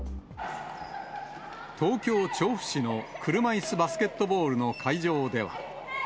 東京・調布市の車いすバスケットボールの会場では。